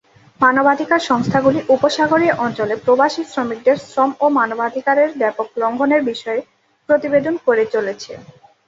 মানবাধিকার সংস্থাগুলি উপসাগরীয় অঞ্চলে প্রবাসী শ্রমিকদের শ্রম ও মানবাধিকারের ব্যাপক লঙ্ঘনের বিষয়ে প্রতিবেদন করে চলেছে।